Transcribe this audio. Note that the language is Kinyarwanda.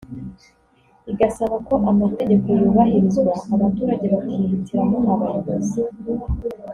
igasaba ko amategeko yubahirizwa abaturage bakihitiramo abayobozi